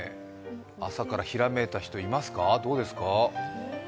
朝からひらめいた方、いますか？